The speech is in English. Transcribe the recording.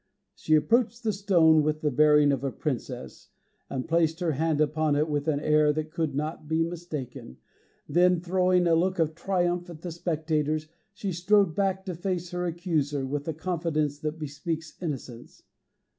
She approached the stone with the bearing of a princess, and placed her hand upon it with an air that could not be mistaken; then throwing a look of triumph at the spectators, she strode back to face her accuser with the confidence that bespeaks innocence.